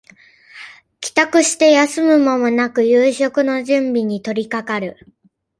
帰宅して休む間もなく夕食の準備に取りかかる